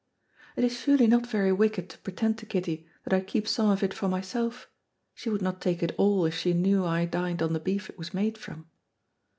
"It is surely not very wicked to pretend to Kitty that I keep some of it for myself; she would not take it all if she knew I dined on the beef it was made from."